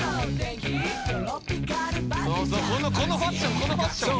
そうそうこのファッションこのファッション。